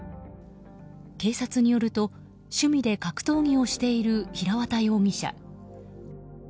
警察によると、趣味で格闘技をしている平綿容疑者。